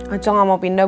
acil bakal pindah